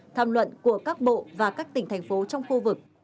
tham luận của các bộ và các tỉnh thành phố trong khu vực